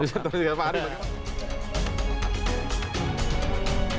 ya bisa dipertanggungjawab